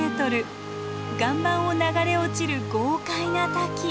岩盤を流れ落ちる豪快な滝。